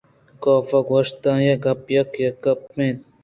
کاف ءِ گوشاں آئی ءِ گپ یک یک ءَ کپگءَ اَنت